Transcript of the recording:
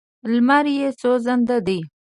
لمر یې سوځنده دی.